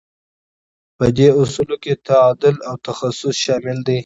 په دې اصولو کې تعادل او تخصص شامل دي.